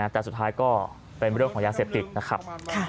แต่สุดท้ายก็เป็นเรื่องของยาเสพติดนะครับ